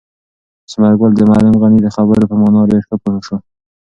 ثمر ګل د معلم غني د خبرو په مانا ډېر ښه پوه شو.